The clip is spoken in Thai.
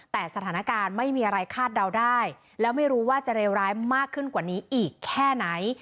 แต่สถานการณ์ไม่มีอะไรคาดเดาได้แล้วไม่รู้ว่าจะเลวร้ายมากขึ้นกว่านี้อีกแค่ไหน